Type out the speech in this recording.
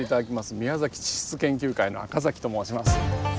宮崎地質研究会の赤崎と申します。